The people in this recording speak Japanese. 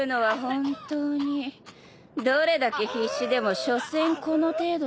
どれだけ必死でもしょせんこの程度だもの。